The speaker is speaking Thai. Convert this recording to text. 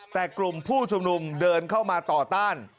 แต่กลุ่มผู้ชุมนุมเดินเข้ามาต่อต้าน